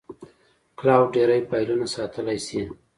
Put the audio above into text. کلاوډ ډېری فایلونه ساتلی شي.